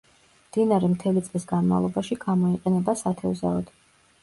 მდინარე მთელი წლის განმავლობაში გამოიყენება სათევზაოდ.